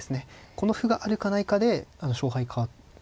この歩があるかないかで勝敗変わると思いますね。